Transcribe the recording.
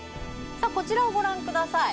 こちらをご覧ください